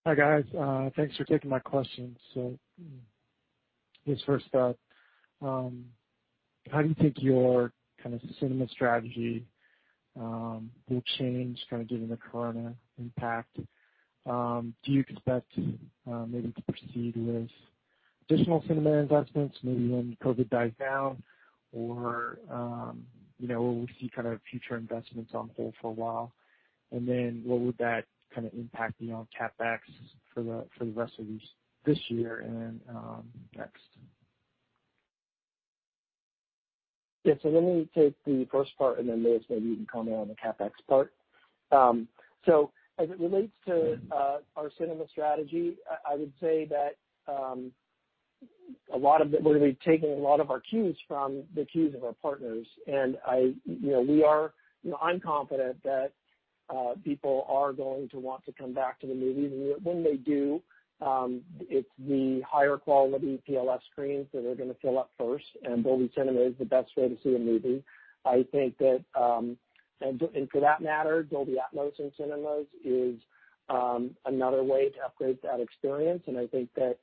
Hi, guys. Thanks for taking my questions. I guess first up, how do you think your kind of cinema strategy will change kind of given the COVID-19 impact? Do you expect maybe to proceed with additional cinema investments maybe when COVID-19 dies down? Will we see kind of future investments on hold for a while? What would that kind of impact the CapEx for the rest of this year and then next? Yeah. Let me take the first part, and then Lewis, maybe you can comment on the CapEx part. As it relates to our cinema strategy, I would say that we're going to be taking a lot of our cues from the cues of our partners. I'm confident that people are going to want to come back to the movies. When they do, it's the higher quality PLF screens that are going to fill up first, and Dolby Cinema is the best way to see a movie. I think that, and for that matter, Dolby Atmos in cinemas is another way to upgrade that experience. I think that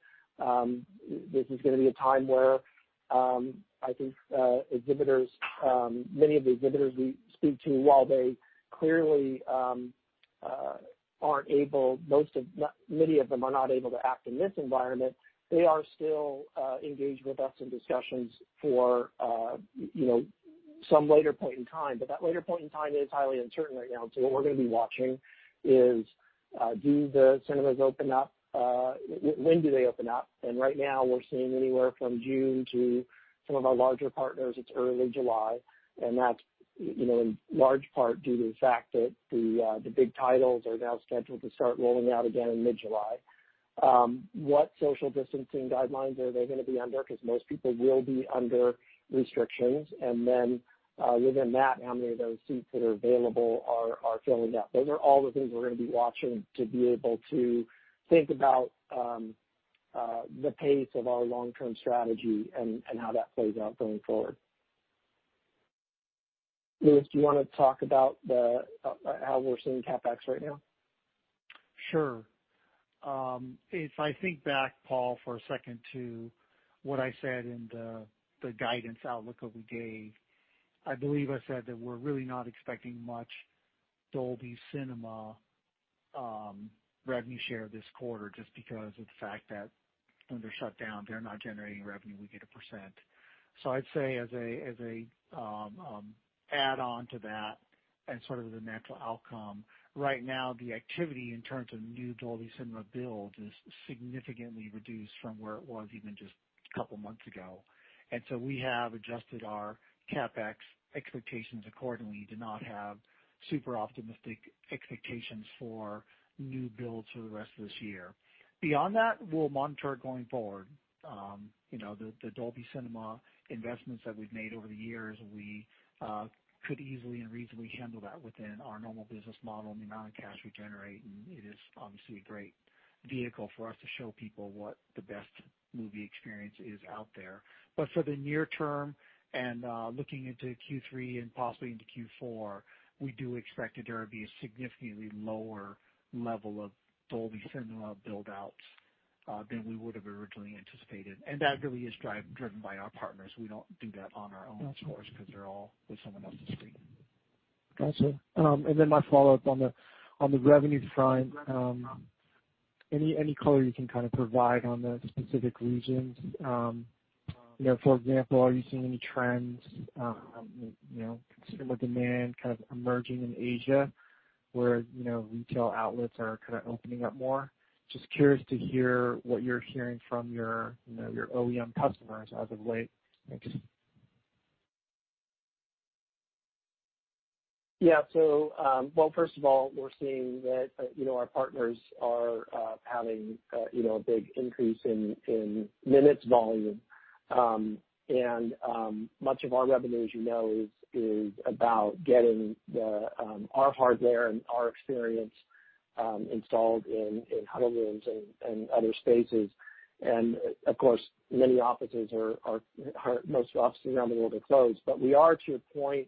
this is going to be a time where I think many of the exhibitors we speak to, while they clearly many of them are not able to act in this environment, they are still engaged with us in discussions for some later point in time. That later point in time is highly uncertain right now. What we're going to be watching is, do the cinemas open up? When do they open up? Right now we're seeing anywhere from June to some of our larger partners, it's early July. That's in large part due to the fact that the big titles are now scheduled to start rolling out again in mid-July. What social distancing guidelines are they going to be under? Because most people will be under restrictions. Within that, how many of those seats that are available are filling up? Those are all the things we're going to be watching to be able to think about the pace of our long-term strategy and how that plays out going forward. Lewis, do you want to talk about how we're seeing CapEx right now? Sure. If I think back, Paul, for a second to what I said in the guidance outlook that we gave, I believe I said that we're really not expecting much Dolby Cinema revenue share this quarter just because of the fact that when they're shut down, they're not generating revenue, we get a percent. I'd say as an add-on to that and sort of the natural outcome, right now the activity in terms of new Dolby Cinema build is significantly reduced from where it was even just a couple of months ago. We have adjusted our CapEx expectations accordingly to not have super optimistic expectations for new builds for the rest of this year. Beyond that, we'll monitor it going forward. The Dolby Cinema investments that we've made over the years, we could easily and reasonably handle that within our normal business model and the amount of cash we generate. It is obviously a great vehicle for us to show people what the best movie experience is out there. For the near term and looking into Q3 and possibly into Q4, we do expect that there will be a significantly lower level of Dolby Cinema build-outs than we would've originally anticipated. That really is driven by our partners. We don't do that on our own source because they're all with someone else's stream. Got you. My follow-up on the revenue front, any color you can kind of provide on the specific regions? For example, are you seeing any trends, cinema demand kind of emerging in Asia where retail outlets are kind of opening up more? Just curious to hear what you're hearing from your OEM customers as of late. Thanks. Yeah. Well, first of all, we're seeing that our partners are having a big increase in minutes volume. Much of our revenue, as you know, is about getting our hardware and our experience installed in huddle rooms and other spaces. Of course, most offices around the world are closed. We are, to your point,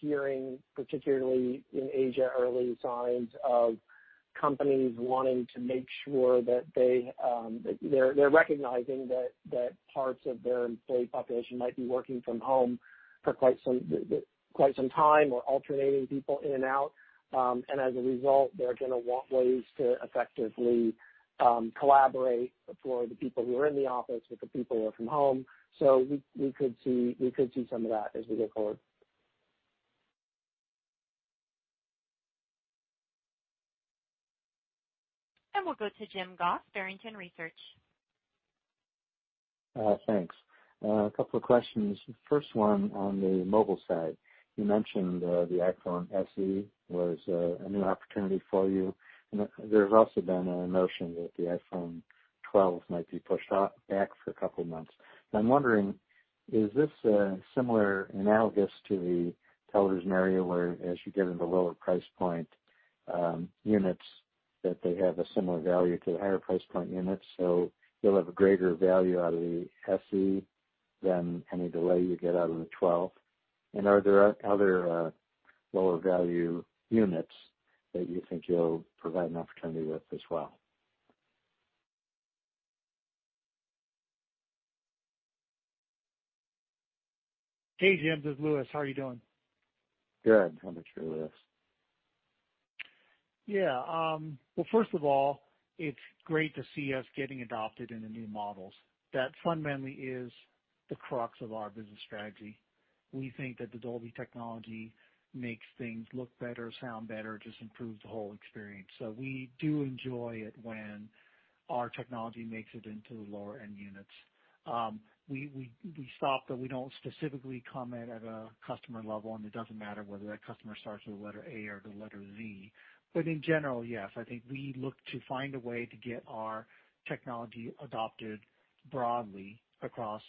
hearing, particularly in Asia, early signs of companies wanting to make sure that they're recognizing that parts of their employee population might be working from home for quite some time or alternating people in and out. As a result, they're going to want ways to effectively collaborate for the people who are in the office with the people who are from home. We could see some of that as we go forward. We'll go to Jim Goss, Barrington Research. Thanks. A couple of questions. First one on the mobile side. You mentioned the iPhone SE was a new opportunity for you. There's also been a notion that the iPhone 12s might be pushed back for a couple of months. Now I'm wondering, is this similar, analogous to the television area, where as you get into lower price point units, that they have a similar value to the higher price point units, so you'll have a greater value out of the SE than any delay you get out of the 12? Are there other lower value units that you think you'll provide an opportunity with as well? Hey, Jim, this is Lewis. How are you doing? Good. How about you, Lewis? Well, first of all, it's great to see us getting adopted in the new models. That fundamentally is the crux of our business strategy. We think that the Dolby technology makes things look better, sound better, just improves the whole experience. We do enjoy it when our technology makes it into the lower-end units. We stop, but we don't specifically comment at a customer level, and it doesn't matter whether that customer starts with the letter A or the letter Z. In general, yes, I think we look to find a way to get our technology adopted broadly across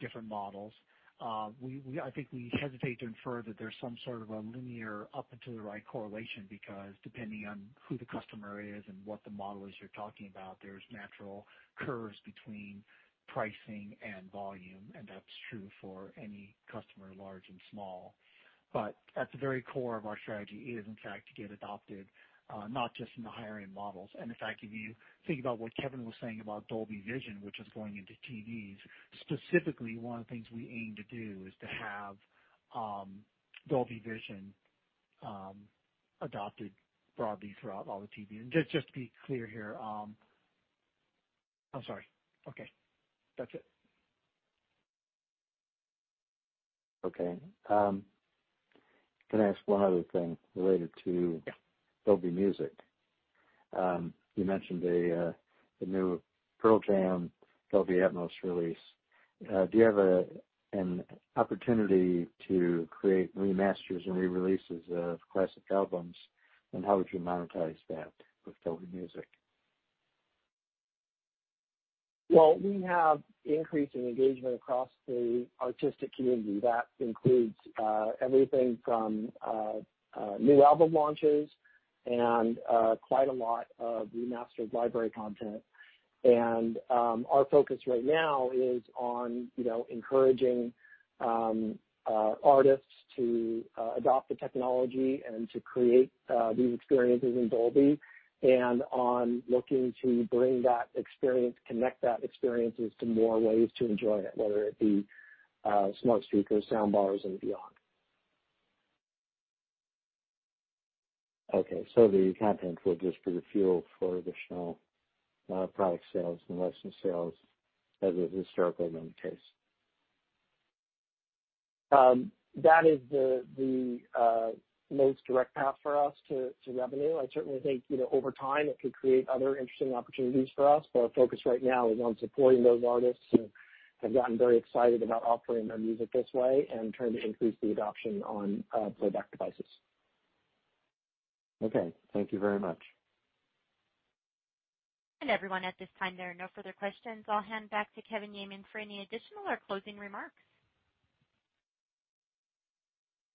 different models. I think we hesitate to infer that there's some sort of a linear up and to the right correlation, because depending on who the customer is and what the model is you're talking about, there's natural curves between pricing and volume, and that's true for any customer, large and small. At the very core of our strategy is, in fact, to get adopted, not just in the higher-end models. In fact, if you think about what Kevin was saying about Dolby Vision, which is going into TVs, specifically, one of the things we aim to do is to have Dolby Vision adopted broadly throughout all the TV. Just to be clear here. I'm sorry. Okay. That's it. Okay. Can I ask one other thing related to Dolby Music? You mentioned the new Pearl Jam Dolby Atmos release. Do you have an opportunity to create remasters and re-releases of classic albums, and how would you monetize that with Dolby Music? Well, we have increase in engagement across the artistic community. That includes everything from new album launches and quite a lot of remastered library content. Our focus right now is on encouraging artists to adopt the technology and to create these experiences in Dolby, and on looking to bring that experience, connect that experiences to more ways to enjoy it, whether it be smart speakers, sound bars, and beyond. Okay, the content will just be the fuel for additional product sales and license sales, as is historically been the case. That is the most direct path for us to revenue. I certainly think over time it could create other interesting opportunities for us, but our focus right now is on supporting those artists who have gotten very excited about offering their music this way and trying to increase the adoption on playback devices. Okay. Thank you very much. Everyone, at this time, there are no further questions. I'll hand back to Kevin Yeaman for any additional or closing remarks.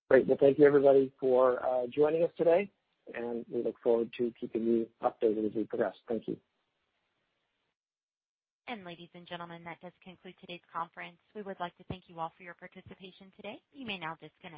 Great. Well, thank you, everybody, for joining us today. We look forward to keeping you updated as we progress. Thank you. Ladies and gentlemen, that does conclude today's conference. We would like to thank you all for your participation today. You may now disconnect.